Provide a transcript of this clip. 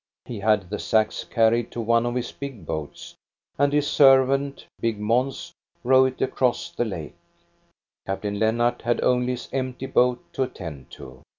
He had the sacks carried to one of his big boats, and his servant, big Mons, row it across the lake. Captain Lennart had only his empty boat to attend to.